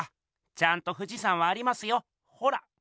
ちゃんと富士山はありますよほら。